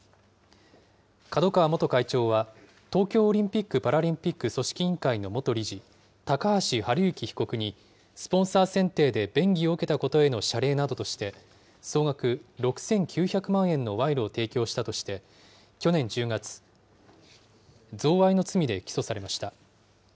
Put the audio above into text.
角川元会長は、東京オリンピック・パラリンピック組織委員会の元理事、高橋治之被告に、スポンサー選定で便宜を受けたことへの謝礼などとして、総額６９００万円の賄賂を提供したとして、去年１０月、贈賄の罪で起訴されました。